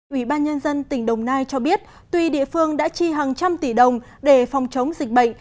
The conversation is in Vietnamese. ủy ban nhân dân tỉnh đồng nai cho biết tuy địa phương đã chi hàng trăm tỷ đồng để phòng chống dịch bệnh